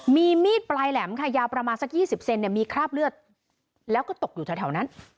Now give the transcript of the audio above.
มีมีดปลายแหลมค่ะยาวประมาณสัก๒๐เซนเนี่ยมีคราบเลือดแล้วก็ตกอยู่แถวนั้น